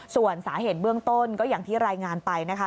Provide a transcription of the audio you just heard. ส่วนสาเหตุเบื้องต้นก็อย่างที่รายงานไปนะคะ